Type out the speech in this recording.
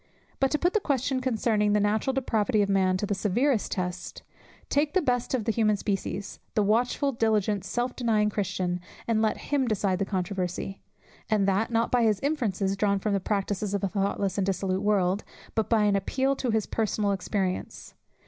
But to put the question concerning the natural depravity of man to the severest test: take the best of the human species, the watchful diligent self denying Christian, and let him decide the controversy; and that, not by inferences drawn from the practices of a thoughtless and dissolute world, but by an appeal to his personal experience.